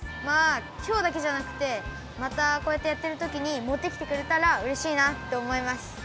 まあきょうだけじゃなくてまたこうやってやってるときに持ってきてくれたらうれしいなっておもいます。